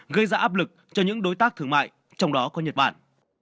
gây ra áp lực cho những đối tác thương mại trong đó có nhật bản